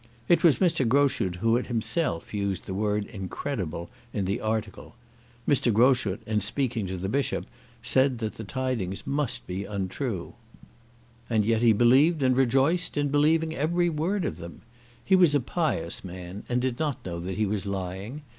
It was Mr. Groschut who had himself used the word "incredible" in the article. Mr. Groschut, in speaking to the Bishop, said that the tidings must be untrue. And yet he believed and rejoiced in believing every word of them. He was a pious man, and did not know that he was lying.